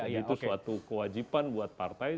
itu suatu kewajiban buat partai